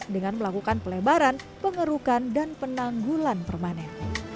dengan melakukan pelebaran pengerukan dan penanggulan permanen